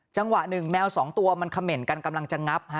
จังหวะหนึ่งแมวสองตัวมันเขม่นกันกำลังจะงับ